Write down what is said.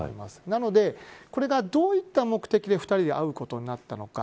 なので、これがどういった目的で２人で会うことになったのか。